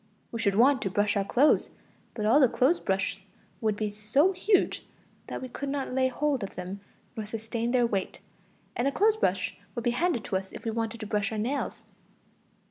We should want to brush our clothes, but all the clothes brushes would be so huge that we could not lay hold of them nor sustain their weight; and a clothes brush would be handed to us if we wanted to brush our nails.